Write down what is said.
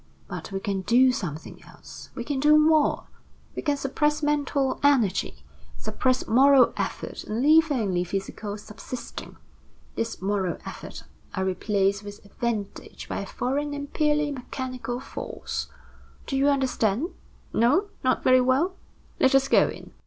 But we can do something else, we can do more we can suppress mental energy, suppress moral effort and leave only physical subsisting. This moral effort, I replace with advantage by a foreign and purely mechanical force. Do you understand? No, not very well. Let us go in."